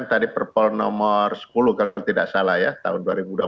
tadi perpol nomor sepuluh kalau tidak salah ya tahun dua ribu dua puluh